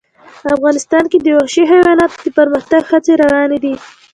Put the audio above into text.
افغانستان کې د وحشي حیوانات د پرمختګ هڅې روانې دي.